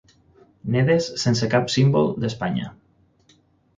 Nedes sense cap símbol d'Espanya.